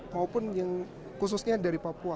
maupun yang khususnya dari papua